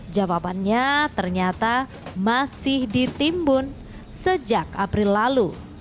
jawabannya ternyata masih ditimbun sejak april lalu